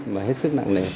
mà hết sức nặng nề